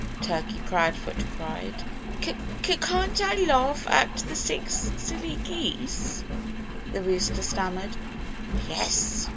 Turkey Proudfoot cried. "C c can't I laugh at the six silly geese?" the rooster stammered. "Yes!"